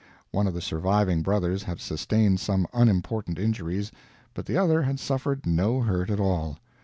One of the surviving brothers had sustained some unimportant injuries, but the other had suffered no hurt at all.